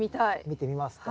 見てみますか。